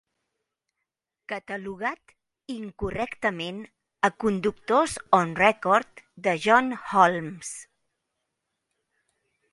Catalogat incorrectament a "Conductors on Record" de John Holmes.